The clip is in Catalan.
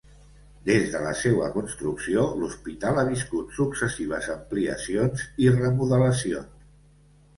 Des de la seua construcció, l'Hospital ha viscut successives ampliacions i remodelacions.